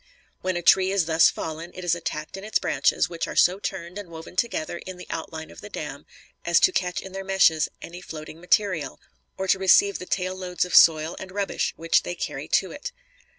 When a tree is thus fallen, it is attacked in its branches, which are so turned and woven together in the outline of the dam as to catch in their meshes any floating material, or receive the tail loads of soil and rubbish which they carry to it.